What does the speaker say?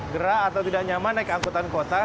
gerak atau tidak nyaman naik angkutan kota